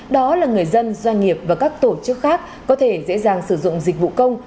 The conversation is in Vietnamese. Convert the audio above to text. đó là người dân doanh nghiệp và các tổ chức khác có thể dễ dàng sử dụng dịch vụ công